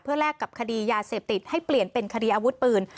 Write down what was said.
แลกกับคดียาเสพติดให้เปลี่ยนเป็นคดีอาวุธปืน